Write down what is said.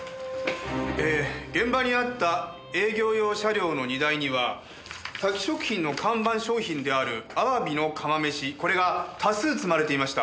えー現場にあった営業用車両の荷台にはタキ食品の看板商品であるあわびの釜めしこれが多数積まれていました。